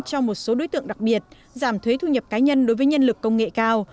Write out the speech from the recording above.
cho một số đối tượng đặc biệt giảm thuế thu nhập cá nhân đối với nhân lực công nghệ cao